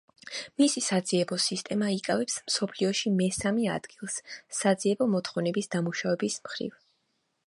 მისი საძიებო სისტემა იკავებს მსოფლიოში მესამე ადგილს საძიებო მოთხოვნების დამუშავების მხრივ.